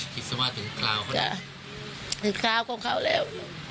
คิดสม่าถึงทุกคราวของเขาแล้ว